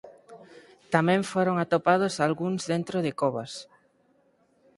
Tamén foron atopados algúns dentro de covas.